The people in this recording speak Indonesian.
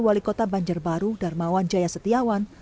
wali kota banjarbaru darmawan jaya setiawan